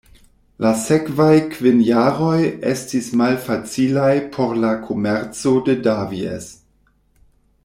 La sekvaj kvin jaroj estis malfacilaj por la komerco de Davies.